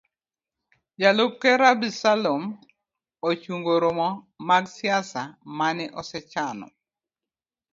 Jalup ker Absalom ochungo romo mag siasa mane osechano.